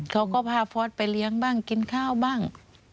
เขาก็พาฟอร์สไปเลี้ยงบ้างกินข้าวบ้าง